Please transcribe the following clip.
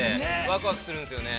わくわくするんですよね。